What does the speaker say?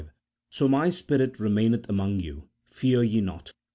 5 : "So My Spirit reinaineth among you : fear ye not."